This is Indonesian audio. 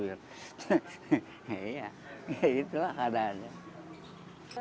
iya gitu lah keadaannya